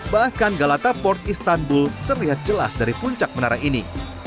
bahkan galata port istanbul terlihat jelas dari puncak menara ini